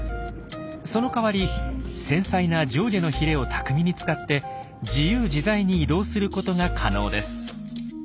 その代わり繊細な上下のヒレを巧みに使って自由自在に移動することが可能です。